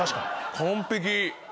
完璧！